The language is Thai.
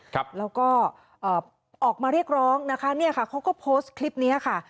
ครับแล้วก็เอ่อออกมาเรียกร้องนะคะเนี่ยค่ะเขาก็โพสต์คลิปเนี้ยค่ะ